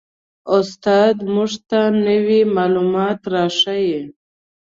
استاد موږ ته نوي معلومات را ښیي